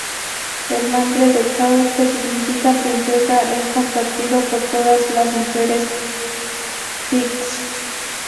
El nombre de "Kaur", que significa "princesa", es compartido por todas las mujeres Sikhs.